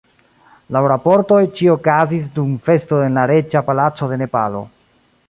Laŭ raportoj, ĉio okazis dum festo en la reĝa palaco de Nepalo.